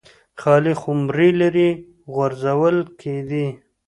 خالي خُمرې لرې غورځول کېدې